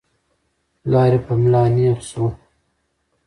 پلار يې په ملا نېغ شو.